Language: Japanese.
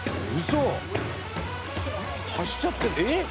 走っちゃってえっ！？